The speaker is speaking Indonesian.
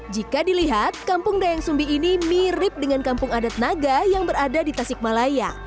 jika dilihat kampung dayang sumbi ini mirip dengan kampung adat naga yang berada di tasikmalaya